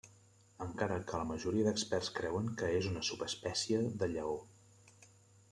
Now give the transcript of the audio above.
Encara que la majoria d'experts creuen que és una subespècie de lleó.